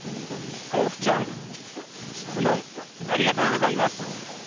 とうふちゃん質問ありがとうございます。